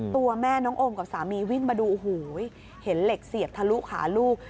ตัวแม่น้องโอมกับสามีวิ่งมาดูโอ้โหเห็นเหล็กเสียบทะลุขาลูก